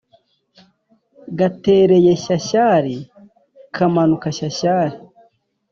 gatereye shyashyari kamanuka shyashyari